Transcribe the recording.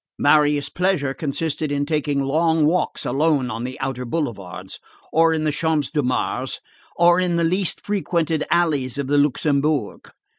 Marius' pleasure consisted in taking long walks alone on the outer boulevards, or in the Champs de Mars, or in the least frequented alleys of the Luxembourg.